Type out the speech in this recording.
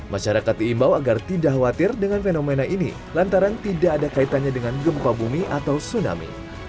masyarakat diimbau agar tidak khawatir dengan fenomena ini lantaran tidak ada kaitannya dengan gempa bumi atau tsunami